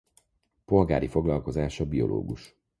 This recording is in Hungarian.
Polgári foglalkozása biológus.